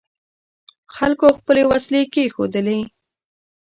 خلکو خپلې وسلې کېښودلې.